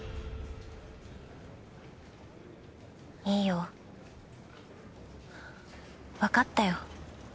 いいよわかったよ。